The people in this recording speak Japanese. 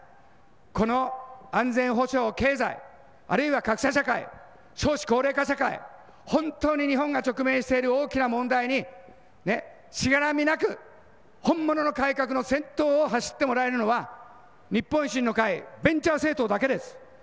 この安全保障、経済あるいは格差社会、少子高齢化社会、本当に日本が直面している大きな問題に、しがらみなく本物の改革の先頭を走ってもらえるのは、日本維新の会、ベンチャー政党だけです。